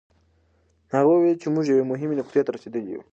هغې وویل چې موږ یوې مهمې نقطې ته رسېدلي یوو.